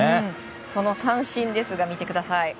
その三振ですが見てください。